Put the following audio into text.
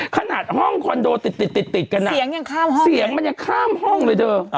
ขนาดห้องคอนโดติดกันนะเสียงยังข้ามห้องเลยเถอะ